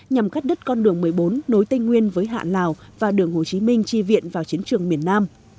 nhằm gắt đứt con đường một mươi bốn nối tây nguyên với hạ lào và đường hồ chí minh chi viện vào chiến trường miền nam